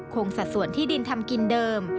สัดส่วนที่ดินทำกินเดิม